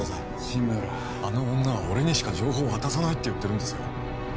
志村あの女は俺にしか情報を渡さないって言ってるんですよ